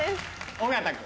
尾形君。